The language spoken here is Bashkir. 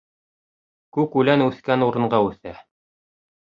Күк үлән үҫкән урынға үҫә.